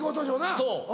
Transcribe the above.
そう。